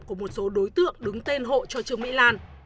của một số đối tượng đứng tên hộ cho trương mỹ lan